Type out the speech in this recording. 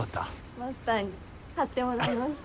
マスターに貼ってもらいました。